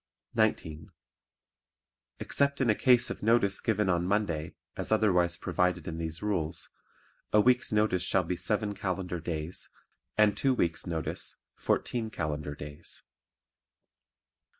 19. Except in a case of notice given on Monday, as otherwise provided in these rules, a week's notice shall be seven calendar days and two weeks' notice fourteen calendar days.